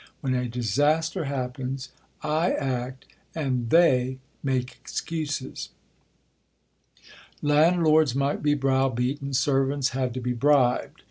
When a disaster happens, I act and they make excuses. Landlords might be brow beaten; servants had to be bribed.